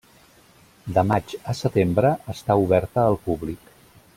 De maig a setembre està oberta al públic.